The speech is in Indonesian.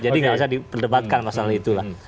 jadi nggak usah diperdebatkan pasal itulah